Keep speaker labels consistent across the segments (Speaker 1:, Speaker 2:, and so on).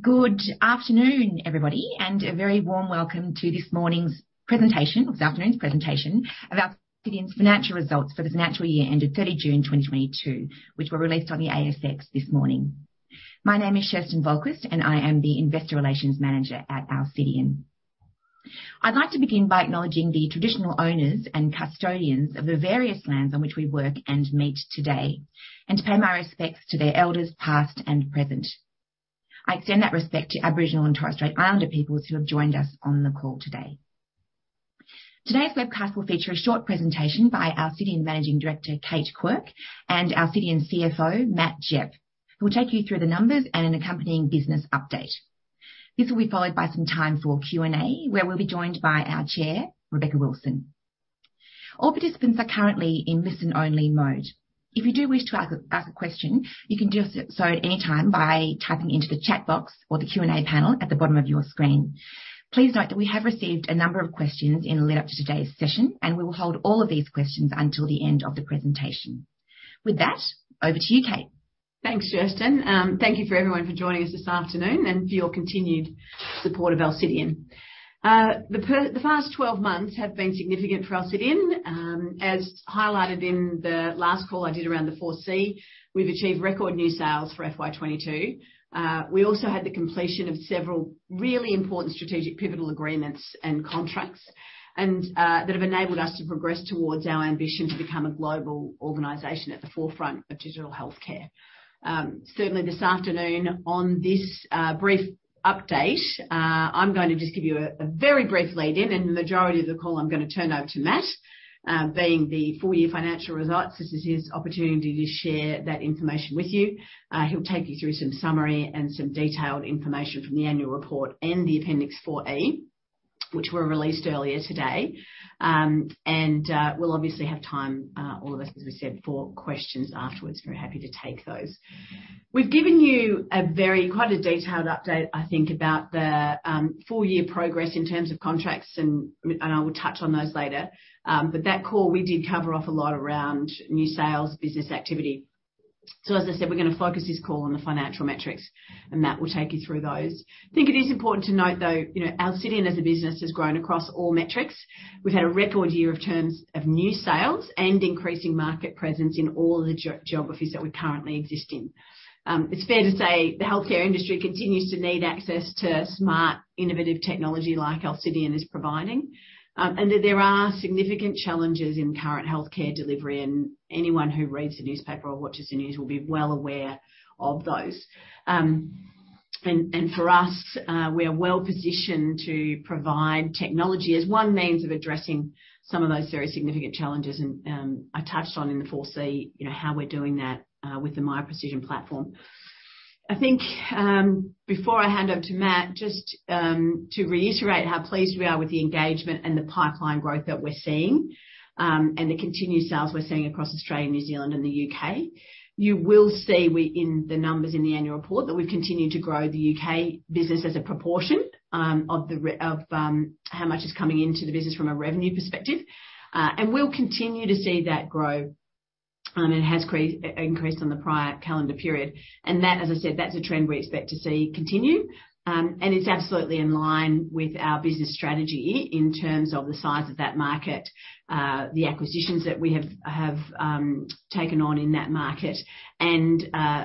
Speaker 1: Good afternoon, everybody, and a very warm welcome to this afternoon's presentation about Alcidion's financial results for the financial year ended 30 June 2022, which were released on the ASX this morning. My name is Kerstin Wahlqvist, and I am the Investor Relations Manager at Alcidion. I'd like to begin by acknowledging the traditional owners and custodians of the various lands on which we work and meet today, and to pay my respects to their elders past and present. I extend that respect to Aboriginal and Torres Strait Islander peoples who have joined us on the call today. Today's webcast will feature a short presentation by our Alcidion Managing Director, Kate Quirke, and Alcidion CFO, Matthew Gepp, who will take you through the numbers and an accompanying business update. This will be followed by some time for Q&A, where we'll be joined by our chair, Rebecca Wilson. All participants are currently in listen-only mode. If you do wish to ask a question, you can do so anytime by typing into the chat box or the Q&A panel at the bottom of your screen. Please note that we have received a number of questions in lead up to today's session, and we will hold all of these questions until the end of the presentation. With that, over to you, Kate.
Speaker 2: Thanks, Kerstin. Thank you to everyone for joining us this afternoon and for your continued support of Alcidion. The past twelve months have been significant for Alcidion. As highlighted in the last call I did around the 4C, we've achieved record new sales for FY 2022. We also had the completion of several really important strategic pivotal agreements and contracts and that have enabled us to progress towards our ambition to become a global organization at the forefront of digital healthcare. Certainly this afternoon on this brief update, I'm gonna just give you a very brief lead-in. In the majority of the call, I'm gonna turn over to Matt being the full year financial results. This is his opportunity to share that information with you. He'll take you through some summary and some detailed information from the annual report and the Appendix 4E, which were released earlier today. We'll obviously have time, all of us, as we said, for questions afterwards. Very happy to take those. We've given you quite a detailed update, I think, about the full year progress in terms of contracts and I will touch on those later. That call, we did cover off a lot around new sales business activity. As I said, we're gonna focus this call on the financial metrics, and Matt will take you through those. I think it is important to note, though, you know, Alcidion as a business has grown across all metrics. We've had a record year in terms of new sales and increasing market presence in all the geographies that we currently exist in. It's fair to say the healthcare industry continues to need access to smart, innovative technology like Alcidion is providing, and that there are significant challenges in current healthcare delivery, and anyone who reads the newspaper or watches the news will be well aware of those. For us, we are well-positioned to provide technology as one means of addressing some of those very significant challenges. I touched on in the 4C, you know, how we're doing that with the Miya Precision platform. I think, before I hand over to Matt, just to reiterate how pleased we are with the engagement and the pipeline growth that we're seeing, and the continued sales we're seeing across Australia, New Zealand and the U.K. You will see in the numbers in the annual report that we've continued to grow the U.K. business as a proportion of how much is coming into the business from a revenue perspective. We'll continue to see that grow. It has increased on the prior calendar period. That, as I said, that's a trend we expect to see continue. It's absolutely in line with our business strategy in terms of the size of that market, the acquisitions that we have taken on in that market and,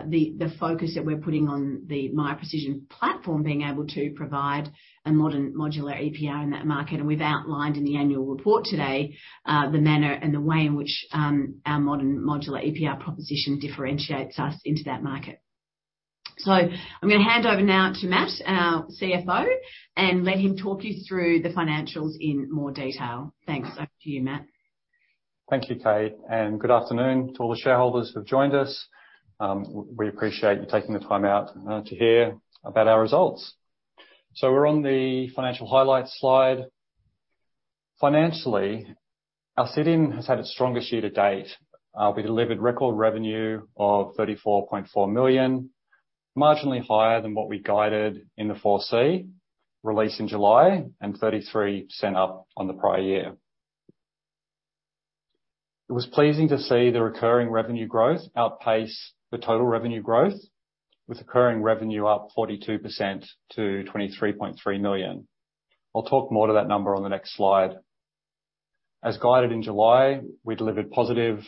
Speaker 2: the focus that we're putting on the Miya Precision platform being able to provide a modern modular EPR in that market. We've outlined in the annual report today, the manner and the way in which, our modern modular EPR proposition differentiates us into that market. I'm gonna hand over now to Matt, our CFO, and let him talk you through the financials in more detail. Thanks. Over to you, Matt.
Speaker 3: Thank you, Kate, and good afternoon to all the shareholders who have joined us. We appreciate you taking the time out to hear about our results. We're on the financial highlights slide. Financially, Alcidion has had its strongest year to date. We delivered record revenue of 34.4 million, marginally higher than what we guided in the 4C release in July and 33% up on the prior year. It was pleasing to see the recurring revenue growth outpace the total revenue growth with recurring revenue up 42% to 23.3 million. I'll talk more to that number on the next slide. As guided in July, we delivered positive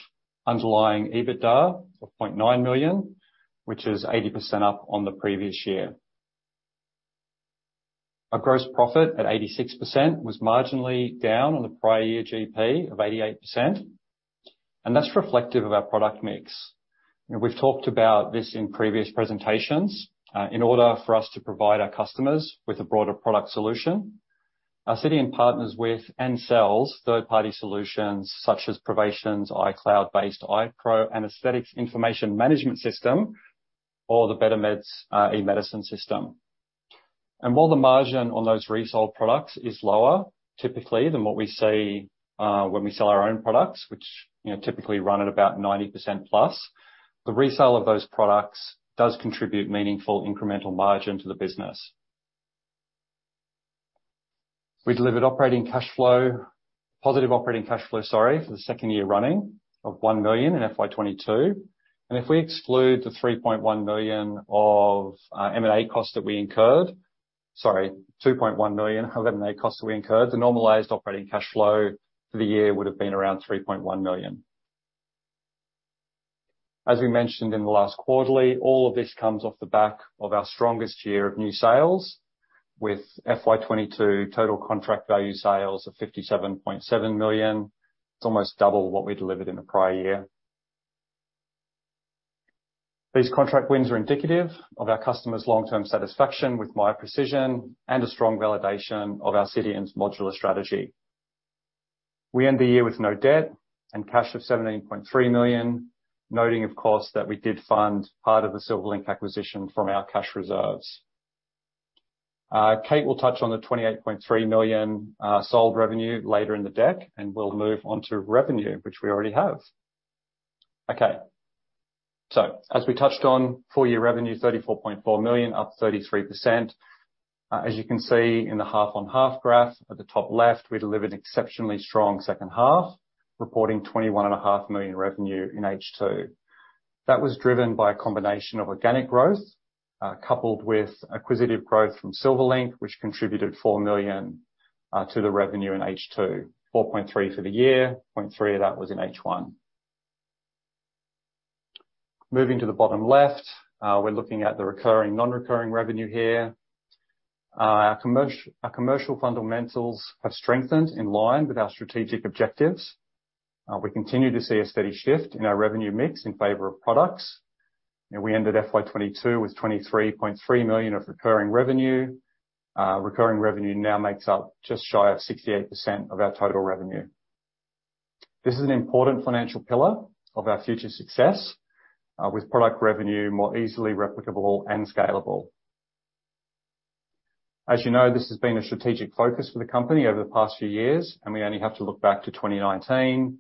Speaker 3: underlying EBITDA of 0.9 million, which is 80% up on the previous year. Our gross profit at 86% was marginally down on the prior year GP of 88%, and that's reflective of our product mix. You know, we've talked about this in previous presentations. In order for us to provide our customers with a broader product solution, Alcidion partners with and sells third-party solutions such as Provation's cloud-based iPro anesthetic information management system or the Better Meds e-medicine system. While the margin on those resold products is lower typically than what we see, when we sell our own products, which, you know, typically run at about 90% plus, the resale of those products does contribute meaningful incremental margin to the business. We delivered positive operating cash flow for the second year running of 1 million in FY 2022. If we exclude the two point one million of M&A costs that we incurred, the normalized operating cash flow for the year would have been around 3.1 million. As we mentioned in the last quarterly, all of this comes off the back of our strongest year of new sales with FY 2022 total contract value sales of 57.7 million. It's almost double what we delivered in the prior year. These contract wins are indicative of our customers' long-term satisfaction with Miya Precision and a strong validation of our agile and modular strategy. We end the year with no debt and cash of 17.3 million, noting, of course, that we did fund part of the Silverlink acquisition from our cash reserves. Kate will touch on the 28.3 million total revenue later in the deck, and we'll move on to revenue, which we already have. Okay. As we touched on full year revenue, 34.4 million, up 33%. As you can see in the half on half graph at the top left, we delivered exceptionally strong second half, reporting 21.5 million revenue in H2. That was driven by a combination of organic growth, coupled with acquisitive growth from Silverlink, which contributed 4 million to the revenue in H2. 4.3 for the year, 0.3 of that was in H1. Moving to the bottom left, we're looking at the recurring, non-recurring revenue here. Our commercial fundamentals have strengthened in line with our strategic objectives. We continue to see a steady shift in our revenue mix in favor of products. We ended FY 2022 with 23.3 million of recurring revenue. Recurring revenue now makes up just shy of 68% of our total revenue. This is an important financial pillar of our future success, with product revenue more easily replicable and scalable. As you know, this has been a strategic focus for the company over the past few years, and we only have to look back to 2019,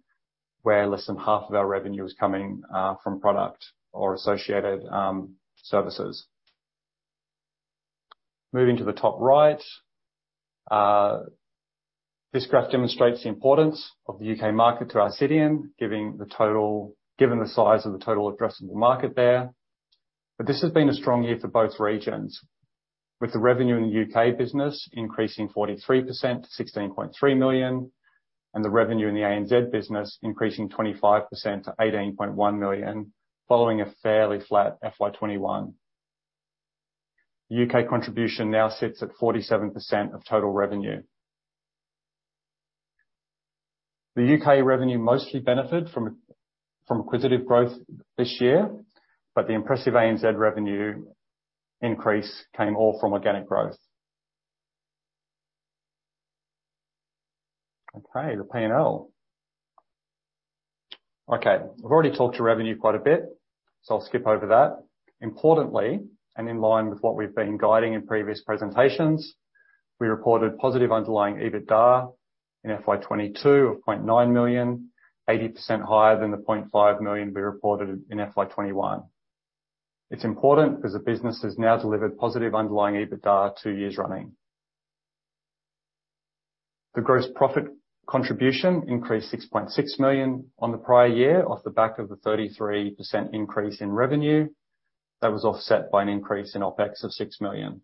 Speaker 3: where less than half of our revenue is coming from product or associated services. Moving to the top right, this graph demonstrates the importance of the UK market to our strategy, given the size of the total addressable market there. This has been a strong year for both regions, with the revenue in the U.K. business increasing 43% to 16.3 million, and the revenue in the ANZ business increasing 25% to 18.1 million, following a fairly flat FY 2021. U.K. contribution now sits at 47% of total revenue. The U.K. revenue mostly benefited from acquisitive growth this year, but the impressive ANZ revenue increase came all from organic growth. Okay, the P&L. Okay. I've already talked to revenue quite a bit, so I'll skip over that. Importantly, and in line with what we've been guiding in previous presentations, we reported positive underlying EBITDA in FY 2022 of 0.9 million, 80% higher than the 0.5 million we reported in FY 2021. It's important because the business has now delivered positive underlying EBITDA two years running. The gross profit contribution increased 6.6 million on the prior year off the back of the 33% increase in revenue. That was offset by an increase in OpEx of 6 million.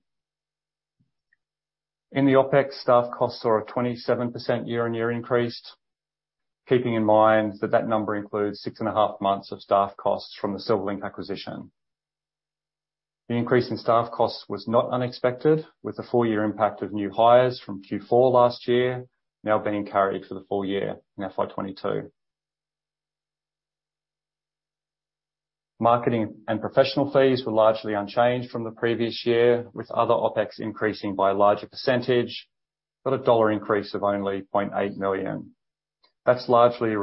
Speaker 3: In the OpEx, staff costs are a 27% year-on-year increase. Keeping in mind that that number includes 6.5 months of staff costs from the Silverlink acquisition. The increase in staff costs was not unexpected, with the full year impact of new hires from Q4 last year now being carried for the full year in FY 2022. Marketing and professional fees were largely unchanged from the previous year, with other OpEx increasing by a larger percentage, but a dollar increase of only 0.8 million. That's largely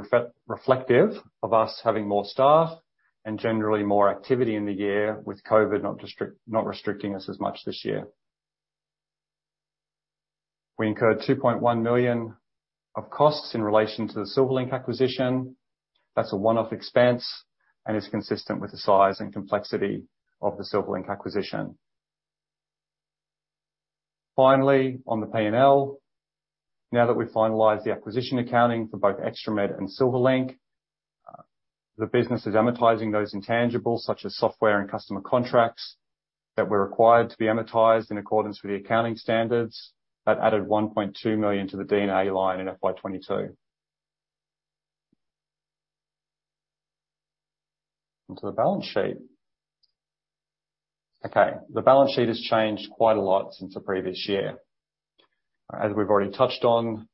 Speaker 3: reflective of us having more staff and generally more activity in the year with COVID not restricting us as much this year. We incurred 2.1 million of costs in relation to the Silverlink acquisition. That's a one-off expense and is consistent with the size and complexity of the Silverlink acquisition. Finally, on the P&L. Now that we've finalized the acquisition accounting for both ExtraMed and Silverlink, the business is amortizing those intangibles such as software and customer contracts that were required to be amortized in accordance with the accounting standards. That added 1.2 million to the D&A line in FY 2022. On to the balance sheet. Okay. The balance sheet has changed quite a lot since the previous year. As we've already touched on,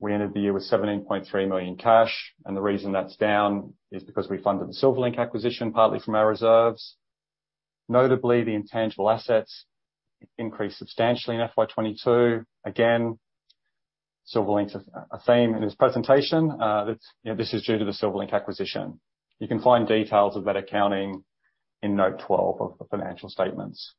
Speaker 3: we ended the year with 17.3 million cash, and the reason that's down is because we funded the Silverlink acquisition, partly from our reserves. Notably, the intangible assets increased substantially in FY 2022. Again, Silverlink's a theme in this presentation. That's, you know, this is due to the Silverlink acquisition. You can find details of that accounting in note 12 of the financial statements.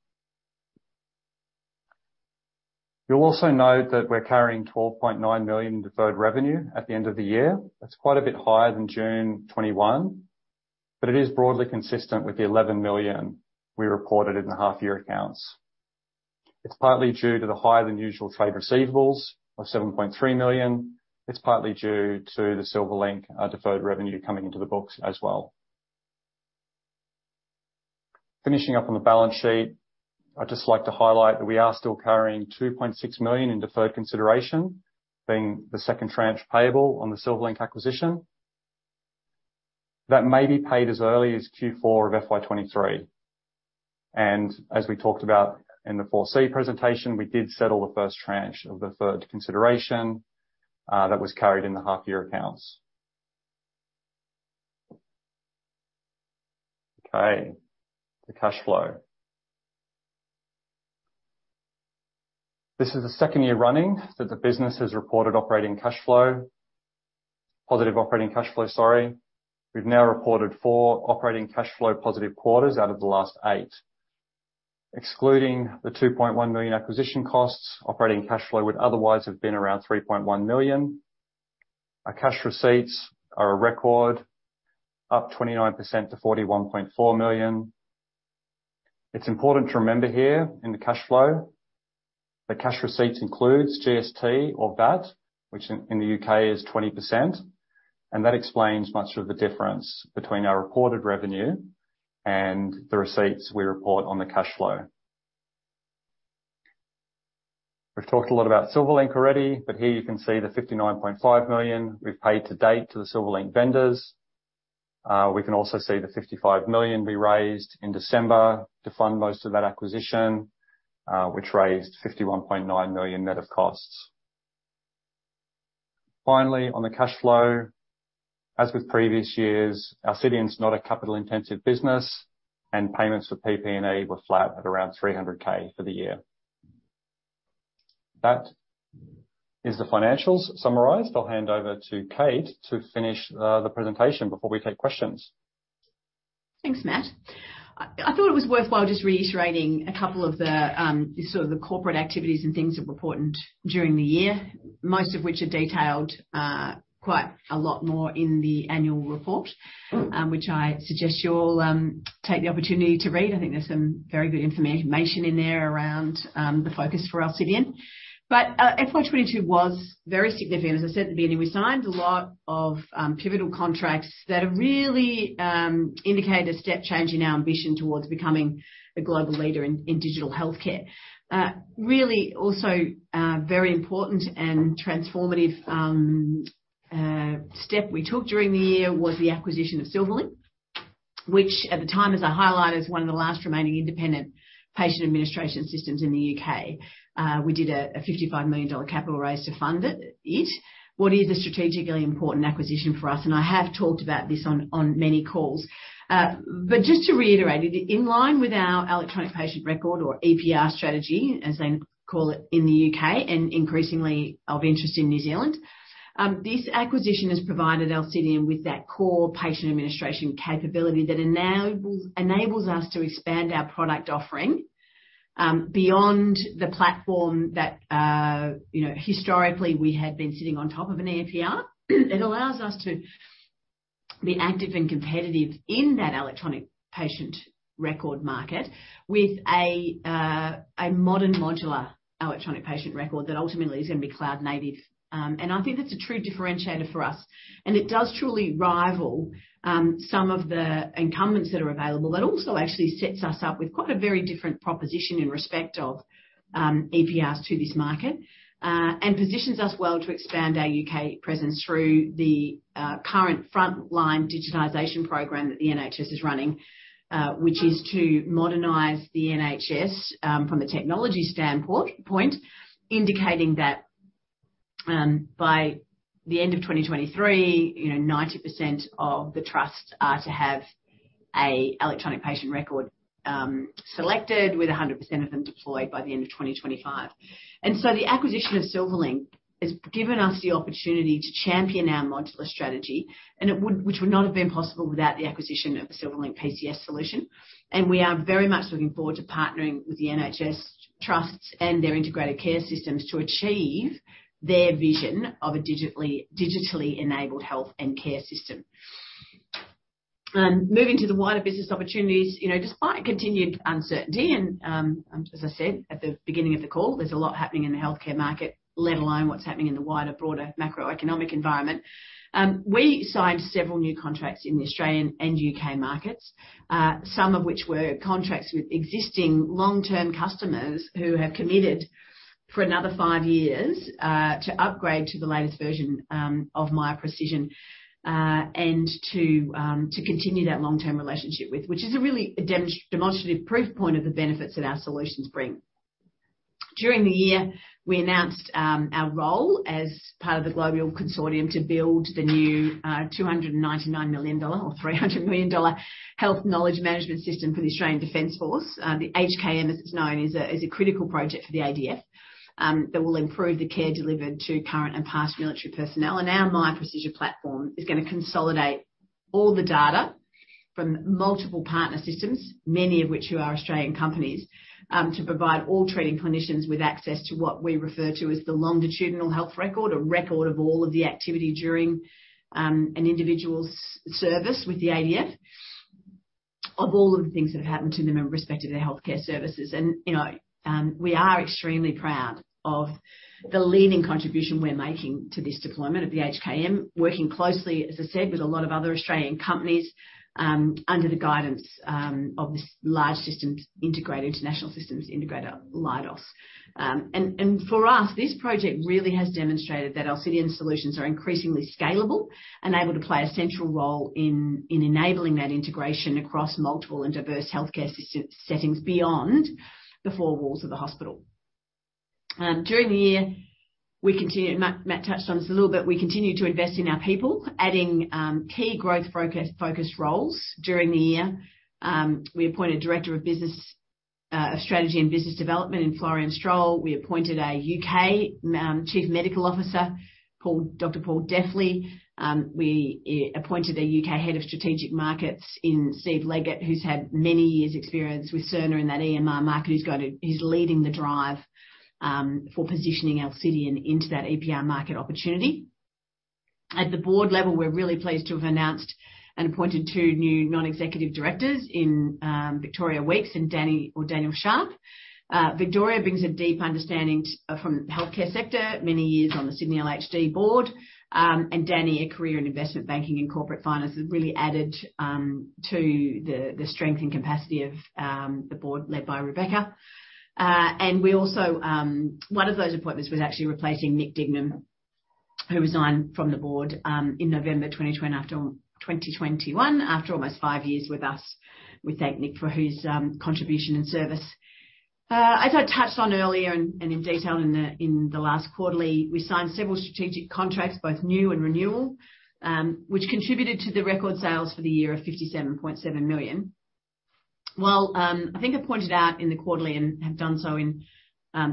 Speaker 3: You'll also note that we're carrying 12.9 million in deferred revenue at the end of the year. That's quite a bit higher than June 2021. It is broadly consistent with the 11 million we reported in the half year accounts. It's partly due to the higher than usual trade receivables of 7.3 million. It's partly due to the Silverlink deferred revenue coming into the books as well. Finishing up on the balance sheet, I'd just like to highlight that we are still carrying 2.6 million in deferred consideration, being the second tranche payable on the Silverlink acquisition. That may be paid as early as Q4 of FY 2023. As we talked about in the 4C presentation, we did settle the first tranche of deferred consideration that was carried in the half year accounts. Okay, the cash flow. This is the second year running that the business has reported operating cash flow. Positive operating cash flow, sorry. We've now reported 4 operating cash flow positive quarters out of the last 8. Excluding the 2.1 million acquisition costs, operating cash flow would otherwise have been around 3.1 million. Our cash receipts are a record, up 29% to 41.4 million. It's important to remember here in the cash flow that cash receipts includes GST or VAT, which in the UK is 20%, and that explains much of the difference between our reported revenue and the receipts we report on the cash flow. We've talked a lot about Silverlink already, but here you can see the 59.5 million we've paid to date to the Silverlink vendors. We can also see the 55 million we raised in December to fund most of that acquisition, which raised 51.9 million net of costs. Finally, on the cash flow, as with previous years, Alcidion is not a capital-intensive business, and payments for PP&E were flat at around 300K for the year. That is the financials summarized. I'll hand over to Kate to finish the presentation before we take questions.
Speaker 2: Thanks, Matt. I thought it was worthwhile just reiterating a couple of the sort of the corporate activities and things that were important during the year, most of which are detailed quite a lot more in the annual report, which I suggest you all take the opportunity to read. I think there's some very good information in there around the focus for Alcidion. FY 2022 was very significant. As I said at the beginning, we signed a lot of pivotal contracts that have really indicated a step change in our ambition towards becoming the global leader in digital healthcare. Really also very important and transformative step we took during the year was the acquisition of Silverlink, which at the time, as I highlighted, is one of the last remaining independent patient administration systems in the U.K. We did a 55 million dollar capital raise to fund it. What is a strategically important acquisition for us, and I have talked about this on many calls. Just to reiterate, in line with our electronic patient record or EPR strategy, as they call it in the U.K. and increasingly of interest in New Zealand, this acquisition has provided Alcidion with that core patient administration capability that enables us to expand our product offering beyond the platform that you know historically we had been sitting on top of an EPR. It allows us to be active and competitive in that electronic patient record market with a modern modular electronic patient record that ultimately is gonna be cloud native. I think that's a true differentiator for us. It does truly rival some of the incumbents that are available. It also actually sets us up with quite a very different proposition in respect of EPRs to this market and positions us well to expand our UK presence through the current Frontline Digitisation Program that the NHS is running, which is to modernize the NHS from a technology standpoint, indicating that by the end of 2023, you know, 90% of the trusts are to have an electronic patient record selected, with 100% of them deployed by the end of 2025. The acquisition of Silverlink has given us the opportunity to champion our modular strategy, and which would not have been possible without the acquisition of the Silverlink PCS solution. We are very much looking forward to partnering with the NHS trusts and their integrated care systems to achieve their vision of a digitally enabled health and care system. Moving to the wider business opportunities, you know, despite continued uncertainty and, as I said at the beginning of the call, there's a lot happening in the healthcare market, let alone what's happening in the wider, broader macroeconomic environment. We signed several new contracts in the Australian and UK markets, some of which were contracts with existing long-term customers who have committed for another five years, to upgrade to the latest version of Miya Precision, and to continue that long-term relationship with, which is a really demonstrative proof point of the benefits that our solutions bring. During the year, we announced our role as part of the global consortium to build the new 299 million dollar or 300 million dollar health knowledge management system for the Australian Defence Force. The HKM, as it's known, is a critical project for the ADF, that will improve the care delivered to current and past military personnel. Our Miya Precision platform is gonna consolidate all the data from multiple partner systems, many of which are Australian companies, to provide all treating clinicians with access to what we refer to as the longitudinal health record, a record of all of the activity during an individual's service with the ADF. Of all of the things that have happened to them in respect to their healthcare services. You know, we are extremely proud of the leading contribution we're making to this deployment of the HKM, working closely, as I said, with a lot of other Australian companies, under the guidance of this large systems integrator, international systems integrator, Leidos. For us, this project really has demonstrated that Alcidion solutions are increasingly scalable and able to play a central role in enabling that integration across multiple and diverse healthcare system settings beyond the four walls of the hospital. During the year, we continued, and Matt touched on this a little bit, we continued to invest in our people, adding key growth focus roles during the year. We appointed Director of Strategy and Business Development, Florian Strohl. We appointed a UK Chief Medical Officer, Dr. Paul Deffley. We appointed a UK Head of Strategic Markets, Steve Leggett, who's had many years' experience with Cerner in that EMR market, who's leading the drive for positioning Alcidion into that EMR market opportunity. At the board level, we're really pleased to have announced and appointed two new non-executive directors in Victoria Weekes and Danny or Daniel Sharp. Victoria brings a deep understanding from the healthcare sector, many years on the Sydney LHD board. Danny, a career in investment banking and corporate finance, has really added to the strength and capacity of the board led by Rebecca. One of those appointments was actually replacing Nick Dignam, who resigned from the board in November 2021 after almost five years with us. We thank Nick for his contribution and service. As I touched on earlier and in detail in the last quarterly, we signed several strategic contracts, both new and renewal, which contributed to the record sales for the year of 57.7 million. While I think I pointed out in the quarterly and have done so in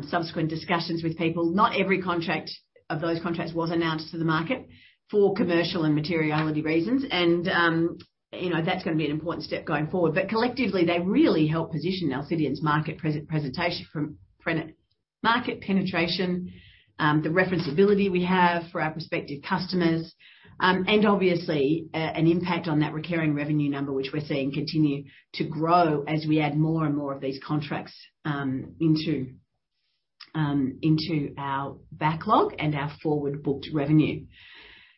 Speaker 2: subsequent discussions with people, not every contract of those contracts was announced to the market for commercial and materiality reasons. You know, that's gonna be an important step going forward. Collectively, they really help position Alcidion's market penetration, the referencability we have for our prospective customers, and obviously an impact on that recurring revenue number, which we're seeing continue to grow as we add more and more of these contracts into our backlog and our forward booked revenue.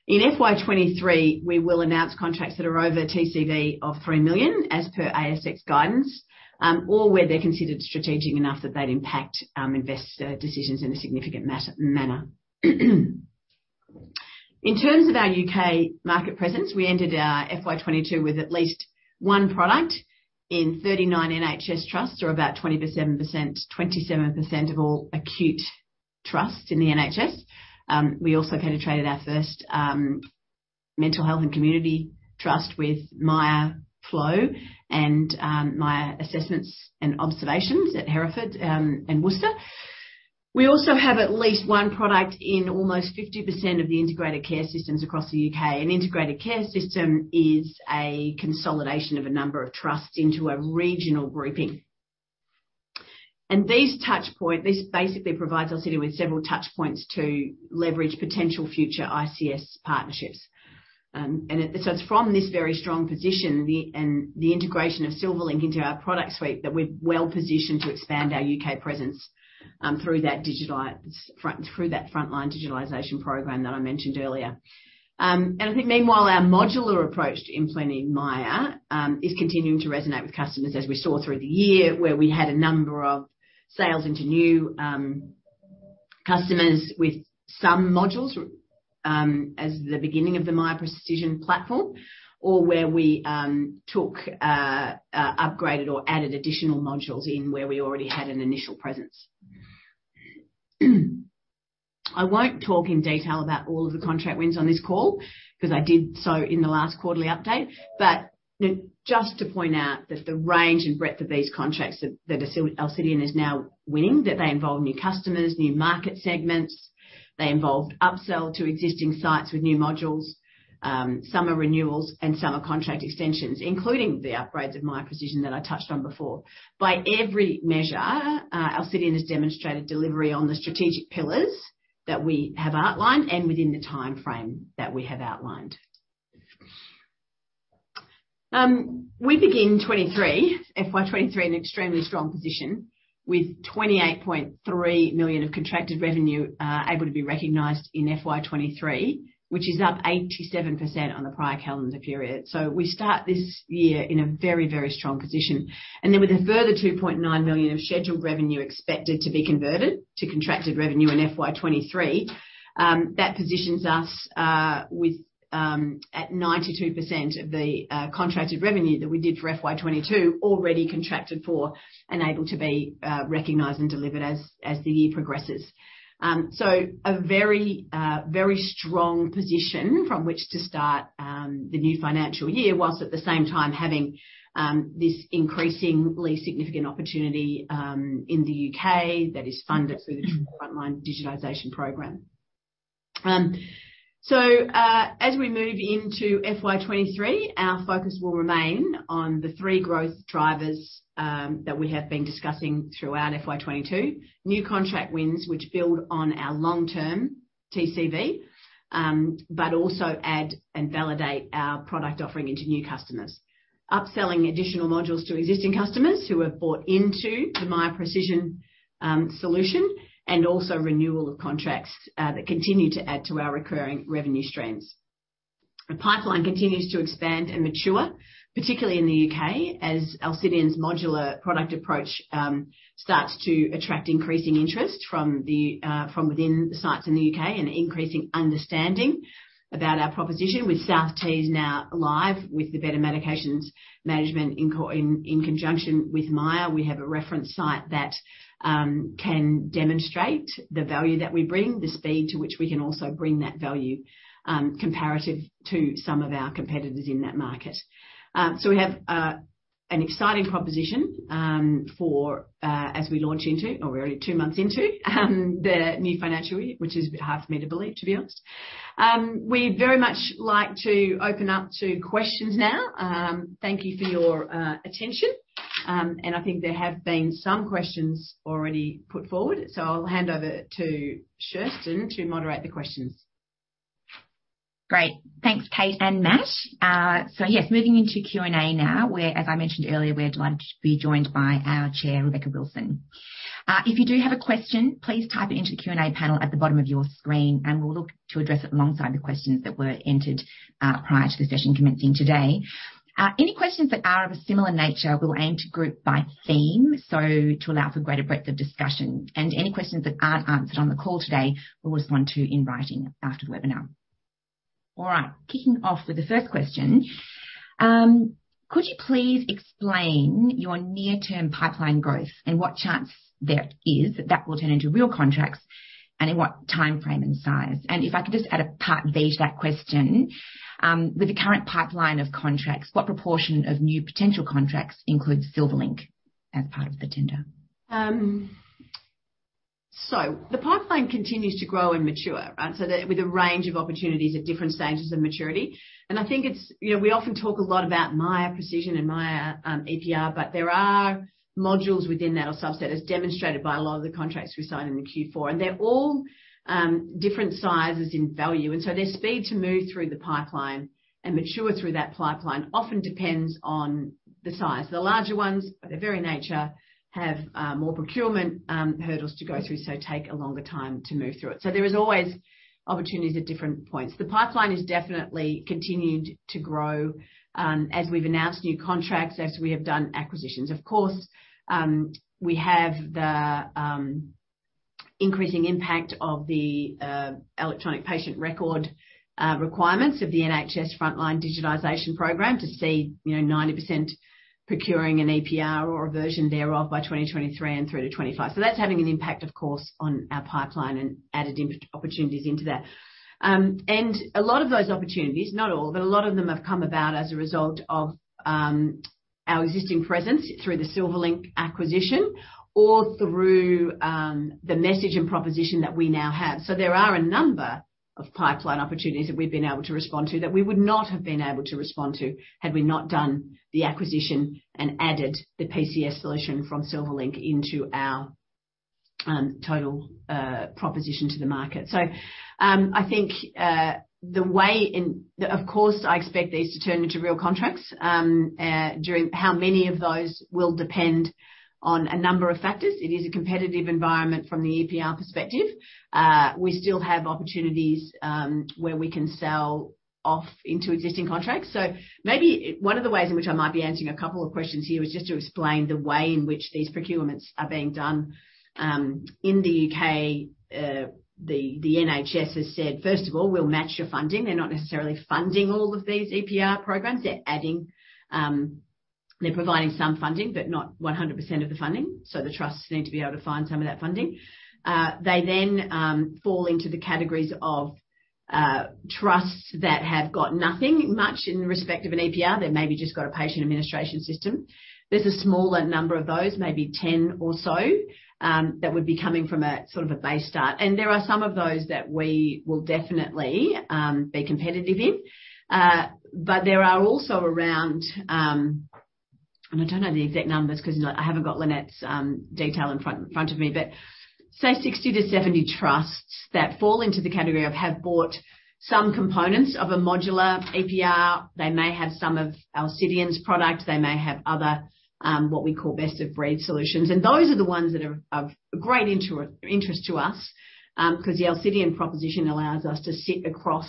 Speaker 2: In FY 2023, we will announce contracts that are over TCV of 3 million as per ASX guidance, or where they're considered strategic enough that they'd impact investor decisions in a significant manner. In terms of our U.K. market presence, we ended our FY 2022 with at least one product in 39 NHS trusts, or about 27% of all acute trusts in the NHS. We also penetrated our first mental health and community trust with Miya Flow and Miya Observations and Assessments at Hereford and Worcester. We also have at least one product in almost 50% of the integrated care systems across the U.K. An integrated care system is a consolidation of a number of trusts into a regional grouping. These touch points basically provide Alcidion with several touch points to leverage potential future ICS partnerships. It's from this very strong position, and the integration of Silverlink into our product suite, that we're well positioned to expand our UK presence, through that frontline digitization program that I mentioned earlier. I think meanwhile, our modular approach to implementing Miya is continuing to resonate with customers as we saw through the year, where we had a number of sales into new customers with some modules, as the beginning of the Miya Precision platform. Where we upgraded or added additional modules in where we already had an initial presence. I won't talk in detail about all of the contract wins on this call, 'cause I did so in the last quarterly update. You know, just to point out that the range and breadth of these contracts that Alcidion is now winning, that they involve new customers, new market segments, they involved upsell to existing sites with new modules. Some are renewals and some are contract extensions, including the upgrades of Miya Precision that I touched on before. By every measure, Alcidion has demonstrated delivery on the strategic pillars that we have outlined and within the timeframe that we have outlined. We begin 2023, FY 2023 in extremely strong position with 28.3 million of contracted revenue, able to be recognized in FY 2023, which is up 87% on the prior calendar period. We start this year in a very, very strong position. With a further 2.9 million of scheduled revenue expected to be converted to contracted revenue in FY 2023, that positions us with at 92% of the contracted revenue that we did for FY 2022 already contracted for and able to be recognized and delivered as the year progresses. A very strong position from which to start the new financial year, while at the same time having this increasingly significant opportunity in the UK that is funded through the Frontline Digitization Program. As we move into FY 2023, our focus will remain on the three growth drivers that we have been discussing throughout FY 2022. New contract wins, which build on our long-term TCV, but also add and validate our product offering into new customers. Upselling additional modules to existing customers who have bought into the Miya Precision solution, and also renewal of contracts that continue to add to our recurring revenue streams. The pipeline continues to expand and mature, particularly in the UK, as Alcidion's modular product approach starts to attract increasing interest from within the sites in the UK and increasing understanding about our proposition. With South Tees now live, with the Better Meds in conjunction with Miya, we have a reference site that can demonstrate the value that we bring, the speed to which we can also bring that value, comparative to some of our competitors in that market. We have an exciting proposition we're already two months into the new financial year, which is a bit hard for me to believe, to be honest. We'd very much like to open up to questions now. Thank you for your attention. I think there have been some questions already put forward, so I'll hand over to Kerstin to moderate the questions.
Speaker 1: Great. Thanks, Kate and Matt. Yes, moving into Q&A now, where, as I mentioned earlier, we're delighted to be joined by our chair, Rebecca Wilson. If you do have a question, please type it into the Q&A panel at the bottom of your screen, and we'll look to address it alongside the questions that were entered, prior to the session commencing today. Any questions that are of a similar nature, we'll aim to group by theme, so to allow for greater breadth of discussion. Any questions that aren't answered on the call today, we'll respond to in writing after the webinar. All right, kicking off with the first question, could you please explain your near-term pipeline growth and what chance there is that that will turn into real contracts, and in what timeframe and size? If I could just add a part B to that question, with the current pipeline of contracts, what proportion of new potential contracts includes Silverlink as part of the tender?
Speaker 2: The pipeline continues to grow and mature, right? With a range of opportunities at different stages of maturity. I think it's, you know, we often talk a lot about Miya Precision and Miya EPR, but there are modules within that or subset, as demonstrated by a lot of the contracts we signed in the Q4. They're all different sizes in value. Their speed to move through the pipeline and mature through that pipeline often depends on the size. The larger ones, by their very nature, have more procurement hurdles to go through, so take a longer time to move through it. There is always opportunities at different points. The pipeline has definitely continued to grow as we've announced new contracts, as we have done acquisitions. Of course, we have the increasing impact of the electronic patient record requirements of the NHS Frontline Digitisation Programme to see, you know, 90% procuring an EPR or a version thereof by 2023 and through to 2025. That's having an impact, of course, on our pipeline and added impact opportunities into that. A lot of those opportunities, not all, but a lot of them have come about as a result of our existing presence through the Silverlink acquisition or through the messaging and proposition that we now have. There are a number of pipeline opportunities that we've been able to respond to that we would not have been able to respond to had we not done the acquisition and added the PCS solution from Silverlink into our total proposition to the market. Of course, I expect these to turn into real contracts. How many of those will depend on a number of factors. It is a competitive environment from the EPR perspective. We still have opportunities where we can sell into existing contracts. Maybe one of the ways in which I might be answering a couple of questions here is just to explain the way in which these procurements are being done in the U.K. The NHS has said, "First of all, we'll match your funding." They're not necessarily funding all of these EPR programs. They're adding, they're providing some funding but not 100% of the funding, so the trusts need to be able to find some of that funding. They fall into the categories of trusts that have got nothing much in respect of an EPR. They may be just got a patient administration system. There's a smaller number of those, maybe 10 or so, that would be coming from a sort of base start. There are some of those that we will definitely be competitive in. There are also around, and I don't know the exact numbers 'cause I haven't got Lynette's detail in front of me, but say 60-70 trusts that fall into the category of have bought some components of a modular EPR. They may have some of Alcidion's product. They may have other what we call best-of-breed solutions. Those are the ones that are of great interest to us, 'cause the Alcidion proposition allows us to sit across,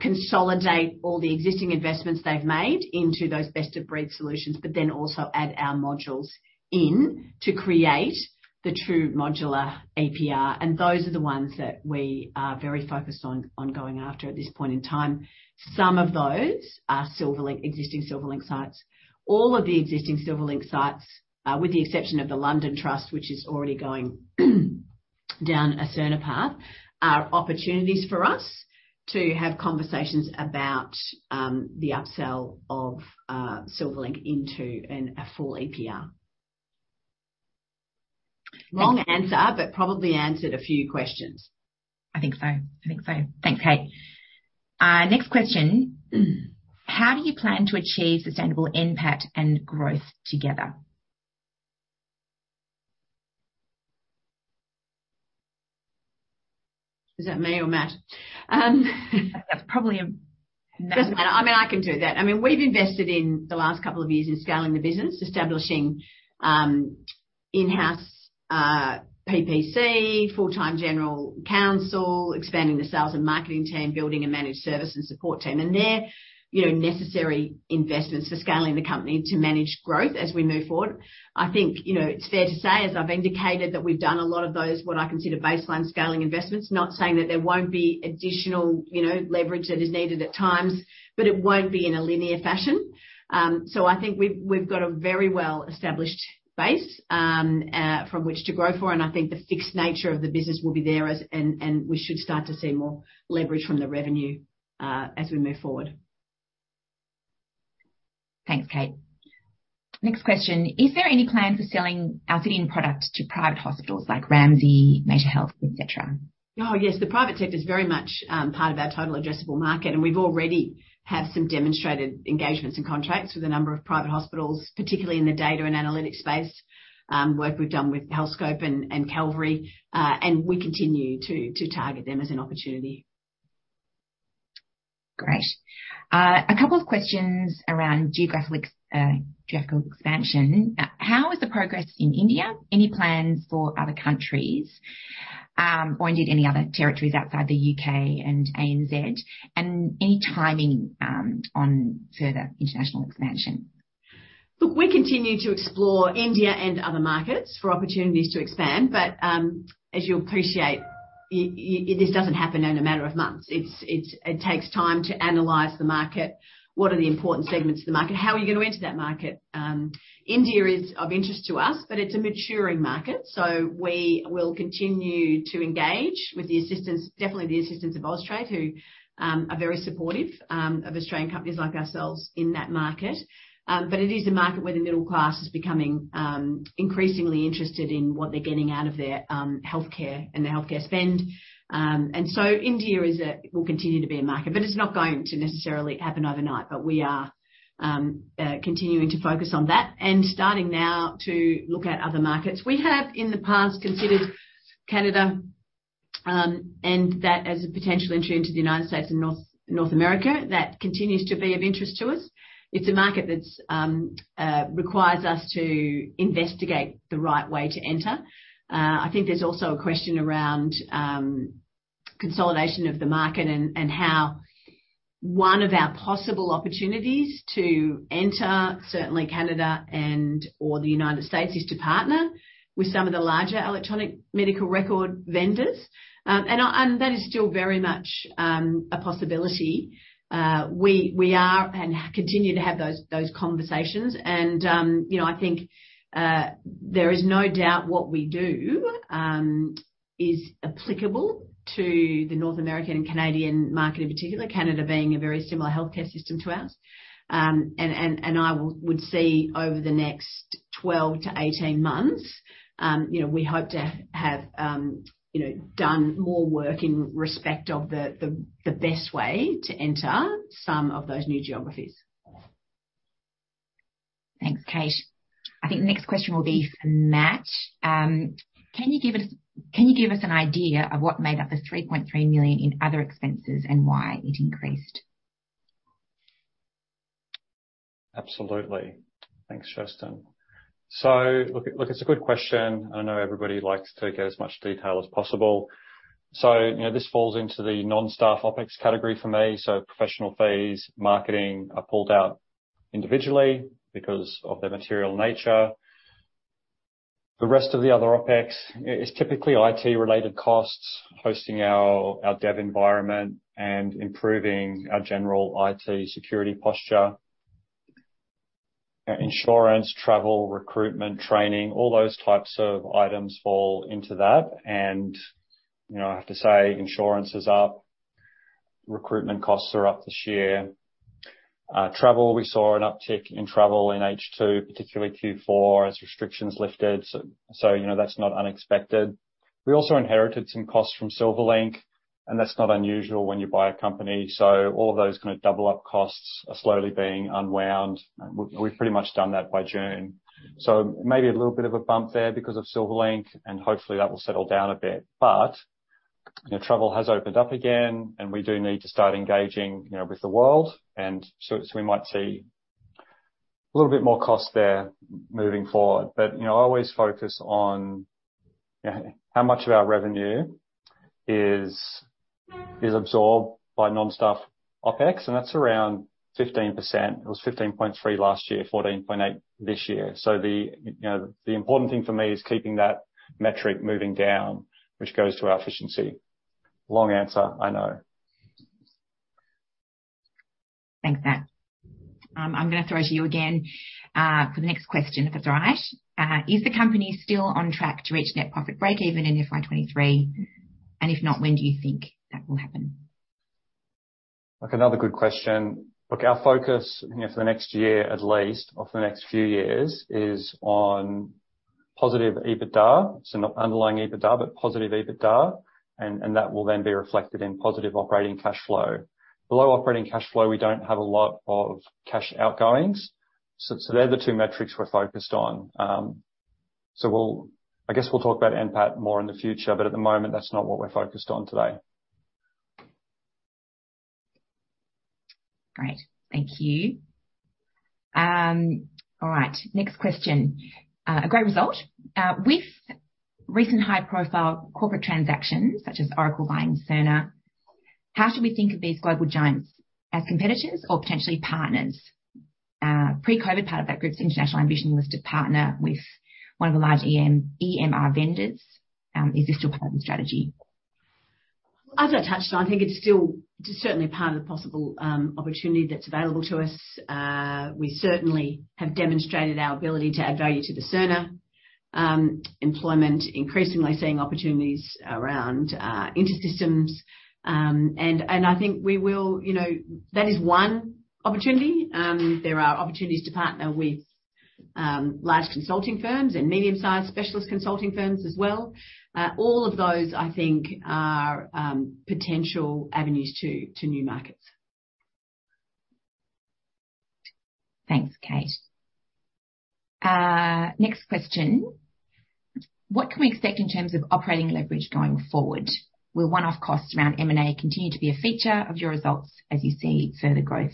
Speaker 2: consolidate all the existing investments they've made into those best-of-breed solutions, but then also add our modules in to create the true modular EPR. Those are the ones that we are very focused on going after at this point in time. Some of those are Silverlink, existing Silverlink sites. All of the existing Silverlink sites, with the exception of the London Trust, which is already going down a Cerner path, are opportunities for us to have conversations about, the upsell of Silverlink into a full EPR. Long answer, but probably answered a few questions.
Speaker 1: I think so. Thanks, Kate. Next question. How do you plan to achieve sustainable NPAT and growth together?
Speaker 2: Is that me or Matt?
Speaker 1: That's probably a.
Speaker 2: Doesn't matter. I mean, I can do that. I mean, we've invested in the last couple of years in scaling the business, establishing in-house PPC, full-time general counsel, expanding the sales and marketing team, building a managed service and support team. They're, you know, necessary investments for scaling the company to manage growth as we move forward. I think, you know, it's fair to say, as I've indicated, that we've done a lot of those what I consider baseline scaling investments. Not saying that there won't be additional, you know, leverage that is needed at times, but it won't be in a linear fashion. I think we've got a very well-established base from which to grow for, and I think the fixed nature of the business will be there as. We should start to see more leverage from the revenue, as we move forward.
Speaker 1: Thanks, Kate. Next question: Is there any plan for selling Alcidion products to private hospitals like Ramsay Health Care, Mater Health, et cetera?
Speaker 2: Oh, yes. The private sector is very much part of our total addressable market, and we've already had some demonstrated engagements and contracts with a number of private hospitals, particularly in the data and analytics space, work we've done with Healthscope and Calvary, and we continue to target them as an opportunity.
Speaker 1: Great. A couple of questions around geographical expansion. How is the progress in India? Any plans for other countries, or indeed any other territories outside the U.K. and ANZ, and any timing on further international expansion?
Speaker 2: Look, we continue to explore India and other markets for opportunities to expand, but as you'll appreciate, this doesn't happen in a matter of months. It takes time to analyze the market. What are the important segments of the market? How are you gonna enter that market? India is of interest to us, but it's a maturing market, so we will continue to engage with the assistance of Austrade, who are very supportive of Australian companies like ourselves in that market. It is a market where the middle class is becoming increasingly interested in what they're getting out of their healthcare and their healthcare spend. India will continue to be a market, but it's not going to necessarily happen overnight. We are continuing to focus on that and starting now to look at other markets. We have in the past considered Canada, and that as a potential entry into the United States and North America. That continues to be of interest to us. It's a market that requires us to investigate the right way to enter. I think there's also a question around consolidation of the market and how one of our possible opportunities to enter, certainly Canada and/or the United States, is to partner with some of the larger electronic medical record vendors. That is still very much a possibility. We are and continue to have those conversations. I think there is no doubt what we do is applicable to the North American and Canadian market in particular, Canada being a very similar healthcare system to ours. I would see over the next 12-18 months, you know, we hope to have done more work in respect of the best way to enter some of those new geographies.
Speaker 1: Thanks, Kate. I think the next question will be for Matt. Can you give us an idea of what made up the 3.3 million in other expenses and why it increased?
Speaker 3: Absolutely. Thanks, Kerstin. Look, it's a good question, and I know everybody likes to get as much detail as possible. You know, this falls into the non-staff OpEx category for me, so professional fees, marketing are pulled out individually because of their material nature. The rest of the other OpEx is typically IT-related costs, hosting our dev environment and improving our general IT security posture. Insurance, travel, recruitment, training, all those types of items fall into that. You know, I have to say insurance is up. Recruitment costs are up this year. Travel, we saw an uptick in travel in H2, particularly Q4, as restrictions lifted. You know, that's not unexpected. We also inherited some costs from Silverlink, and that's not unusual when you buy a company. All of those kind of double-up costs are slowly being unwound. We've pretty much done that by June. Maybe a little bit of a bump there because of Silverlink, and hopefully that will settle down a bit. You know, travel has opened up again and we do need to start engaging, you know, with the world, and so we might see a little bit more cost there moving forward. You know, I always focus on, you know, how much of our revenue is absorbed by non-staff OpEx, and that's around 15%. It was 15.3% last year, 14.8% this year. The, you know, the important thing for me is keeping that metric moving down, which goes to our efficiency. Long answer, I know.
Speaker 1: Thanks, Matt. I'm gonna throw to you again, for the next question, if that's all right. Is the company still on track to reach net profit breakeven in FY 2023? If not, when do you think that will happen?
Speaker 3: Look, another good question. Look, our focus, you know, for the next year at least, or for the next few years, is on positive EBITDA. Not underlying EBITDA, but positive EBITDA. That will then be reflected in positive operating cash flow.
Speaker 2: Below operating cash flow, we don't have a lot of cash outgoings. They're the two metrics we're focused on. I guess we'll talk about NPAT more in the future, but at the moment, that's not what we're focused on today.
Speaker 1: Great. Thank you. All right, next question. A great result. With recent high-profile corporate transactions, such as Oracle buying Cerner, how should we think of these global giants? As competitors or potentially partners? Pre-COVID, part of that group's international ambition was to partner with one of the large EM, EMR vendors. Is this still part of the strategy?
Speaker 2: As I touched on, I think it's certainly part of the possible opportunity that's available to us. We certainly have demonstrated our ability to add value to the Cerner environment, increasingly seeing opportunities around InterSystems. And I think we will. You know, that is one opportunity. There are opportunities to partner with large consulting firms and medium-sized specialist consulting firms as well. All of those, I think, are potential avenues to new markets.
Speaker 1: Thanks, Kate. Next question. What can we expect in terms of operating leverage going forward? Will one-off costs around M&A continue to be a feature of your results as you see further growth?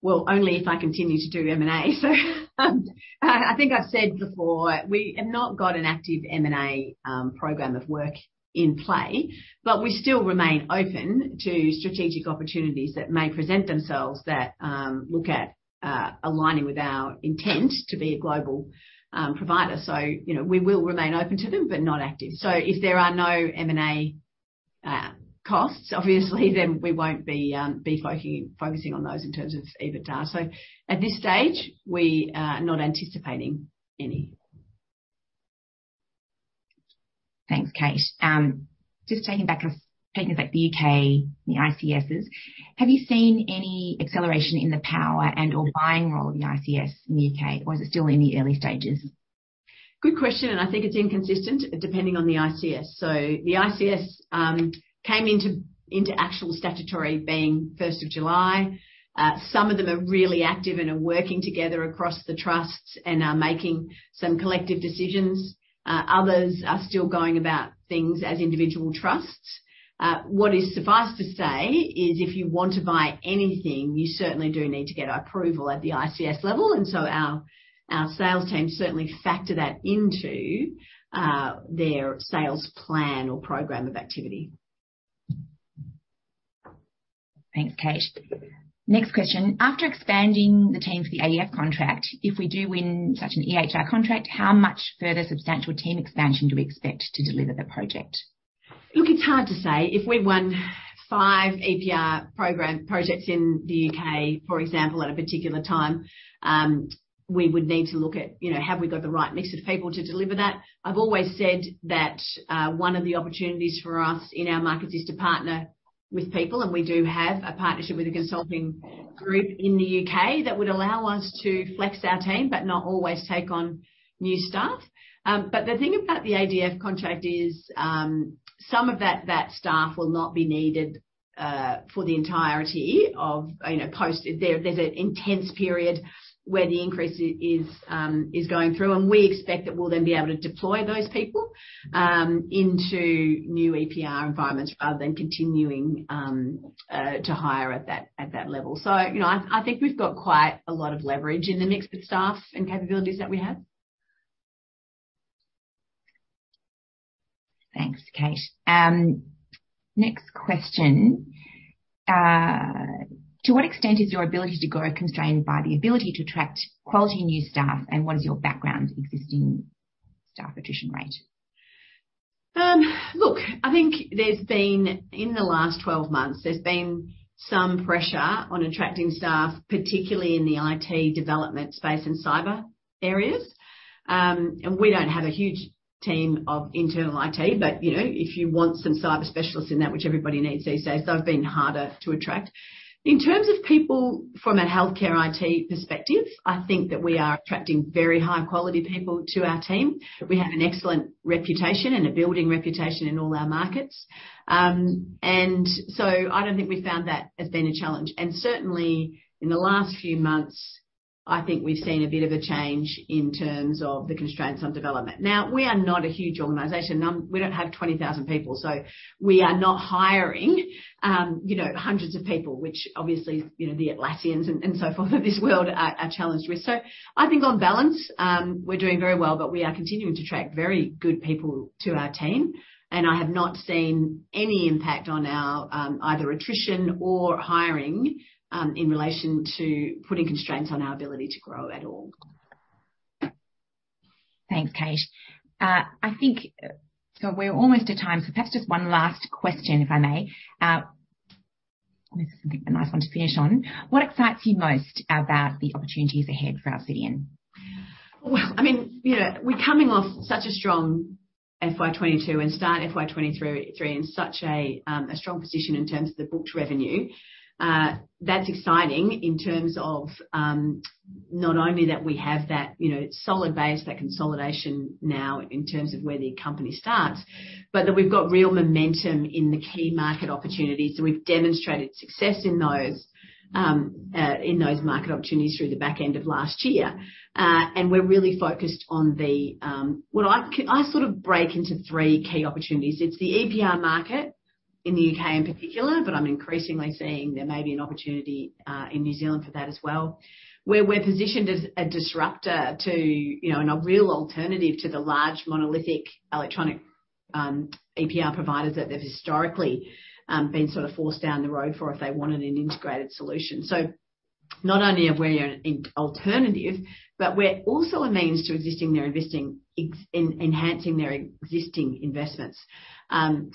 Speaker 2: Well, only if I continue to do M&A. I think I've said before, we have not got an active M&A program of work in play, but we still remain open to strategic opportunities that may present themselves that look at aligning with our intent to be a global provider. You know, we will remain open to them, but not active. If there are no M&A costs, obviously, then we won't be focusing on those in terms of EBITDA. At this stage, we are not anticipating any.
Speaker 1: Thanks, Kate. Just taking us back to UK and the ICSs, have you seen any acceleration in the power and/or buying role of the ICS in the UK or is it still in the early stages?
Speaker 2: Good question, and I think it's inconsistent depending on the ICS. The ICS came into actual statutory being first of July. Some of them are really active and are working together across the trusts and are making some collective decisions. Others are still going about things as individual trusts. Suffice to say, if you want to buy anything, you certainly do need to get approval at the ICS level. Our sales team certainly factor that into their sales plan or program of activity.
Speaker 1: Thanks, Kate. Next question. After expanding the team for the ADF contract, if we do win such an EHR contract, how much further substantial team expansion do we expect to deliver the project?
Speaker 2: Look, it's hard to say. If we won five EPR projects in the UK, for example, at a particular time, we would need to look at, you know, have we got the right mix of people to deliver that. I've always said that, one of the opportunities for us in our markets is to partner with people, and we do have a partnership with a consulting group in the UK that would allow us to flex our team but not always take on new staff. The thing about the ADF contract is, some of that staff will not be needed for the entirety of, you know, post. There's an intense period where the increase is going through, and we expect that we'll then be able to deploy those people into new EPR environments rather than continuing to hire at that level. You know, I think we've got quite a lot of leverage in the mix of staff and capabilities that we have.
Speaker 1: Thanks, Kate. Next question. To what extent is your ability to grow constrained by the ability to attract quality new staff, and what is your background existing staff attrition rate?
Speaker 2: Look, I think in the last 12 months, there's been some pressure on attracting staff, particularly in the IT development space and cyber areas. And we don't have a huge team of internal IT, but, you know, if you want some cyber specialists in that, which everybody needs these days, they've been harder to attract. In terms of people from a healthcare IT perspective, I think that we are attracting very high-quality people to our team. We have an excellent reputation and a building reputation in all our markets. I don't think we found that has been a challenge. Certainly in the last few months, I think we've seen a bit of a change in terms of the constraints on development. Now, we are not a huge organization. We don't have 20,000 people, so we are not hiring, you know, hundreds of people, which obviously, you know, the Atlassian and so forth of this world are challenged with. I think on balance, we're doing very well, but we are continuing to attract very good people to our team. I have not seen any impact on our either attrition or hiring in relation to putting constraints on our ability to grow at all.
Speaker 1: Thanks, Kate. I think so, we're almost at time, so perhaps just one last question, if I may. This is something, a nice one to finish on. What excites you most about the opportunities ahead for Alcidion?
Speaker 2: Well, I mean, you know, we're coming off such a strong FY 2022 and start FY 2023 in such a strong position in terms of the booked revenue. That's exciting in terms of not only that we have that, you know, solid base, that consolidation now in terms of where the company starts, but that we've got real momentum in the key market opportunities, and we've demonstrated success in those market opportunities through the back end of last year. We're really focused on the. Well, I sort of break into three key opportunities. It's the EPR market in the U.K. in particular, but I'm increasingly seeing there may be an opportunity in New Zealand for that as well, where we're positioned as a disruptor to, you know, and a real alternative to the large monolithic electronic EPR providers that they've historically been sort of forced down the road for if they wanted an integrated solution. Not only are we an alternative, but we're also a means to enhancing their existing investments and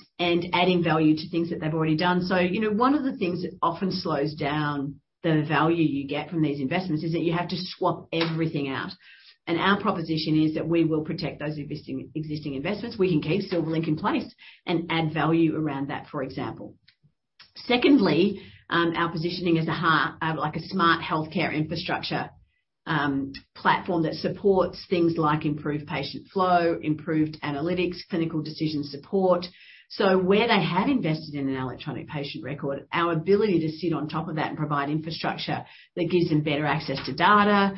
Speaker 2: adding value to things that they've already done. You know, one of the things that often slows down the value you get from these investments is that you have to swap everything out, and our proposition is that we will protect those existing investments. We can keep Silverlink in place and add value around that, for example. Secondly, our positioning as a like a smart healthcare infrastructure platform that supports things like improved patient flow, improved analytics, clinical decision support. Where they have invested in an electronic patient record, our ability to sit on top of that and provide infrastructure that gives them better access to data,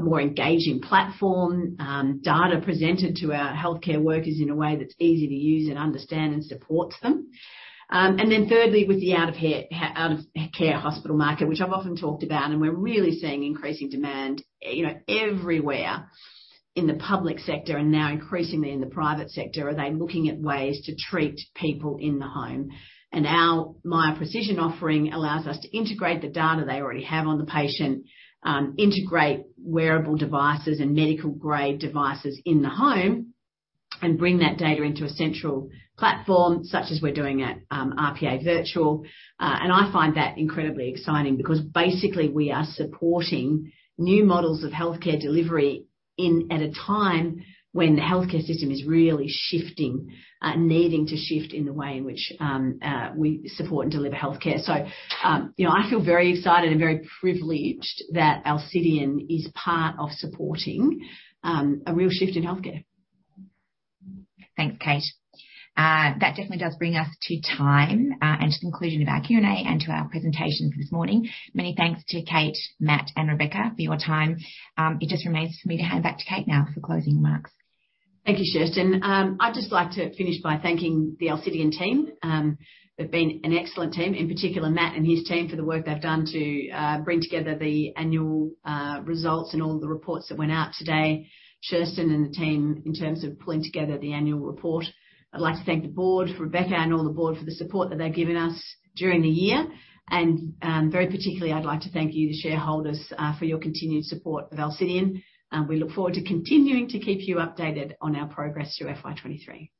Speaker 2: more engaging platform, data presented to our healthcare workers in a way that's easy to use and understand and supports them. Thirdly, with the out of care hospital market, which I've often talked about, and we're really seeing increasing demand, you know, everywhere in the public sector and now increasingly in the private sector, are they looking at ways to treat people in the home? Our Miya Precision offering allows us to integrate the data they already have on the patient, integrate wearable devices and medical-grade devices in the home and bring that data into a central platform such as we're doing at RPA Virtual. I find that incredibly exciting because basically, we are supporting new models of healthcare delivery at a time when the healthcare system is really shifting, needing to shift in the way in which we support and deliver healthcare. You know, I feel very excited and very privileged that Alcidion is part of supporting a real shift in healthcare.
Speaker 1: Thanks, Kate. That definitely does bring us to time, and to the conclusion of our Q&A and to our presentations this morning. Many thanks to Kate, Matt, and Rebecca for your time. It just remains for me to hand back to Kate now for closing remarks.
Speaker 2: Thank you, Kirsten. I'd just like to finish by thanking the Alcidion team. They've been an excellent team, in particular Matt and his team for the work they've done to bring together the annual results and all the reports that went out today. Kirsten and the team in terms of pulling together the annual report. I'd like to thank the board, Rebecca and all the board for the support that they've given us during the year. Very particularly, I'd like to thank you, the shareholders, for your continued support of Alcidion. We look forward to continuing to keep you updated on our progress through FY 2023.